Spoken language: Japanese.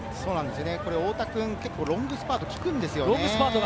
太田くん、結構ロングスパートが利くんですよね。